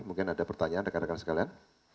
mungkin ada pertanyaan rekan rekan sekalian